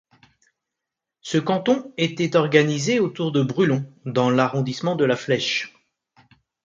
Ce canton était organisé autour de Brûlon dans l'arrondissement de La Flèche.